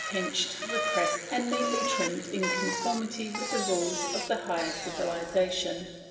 pinched, repressed, and neatly trimmed in conformity with the rules of the higher civilisation.